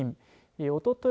おととい